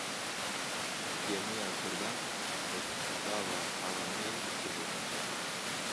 Gemiya kurdan li perava aramiyê bihêlin.